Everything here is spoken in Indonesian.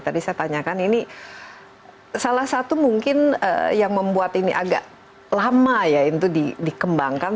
tadi saya tanyakan ini salah satu mungkin yang membuat ini agak lama ya itu dikembangkan